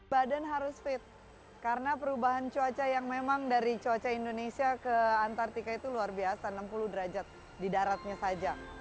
badan harus fit karena perubahan cuaca yang memang dari cuaca indonesia ke antartika itu luar biasa enam puluh derajat di daratnya saja